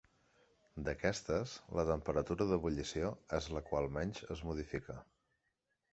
D'aquestes, la temperatura d'ebullició és la qual menys es modifica.